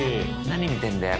何見てんだよ？